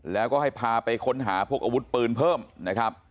แล้วก็ให้พาไปค้นหาพวกอาวุธปืนเพิ่มนะครับ